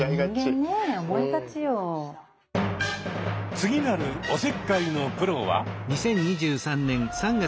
次なるおせっかいのプロは。